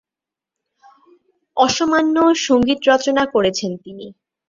অসামান্য সঙ্গীত রচনা করেছেন তিনি।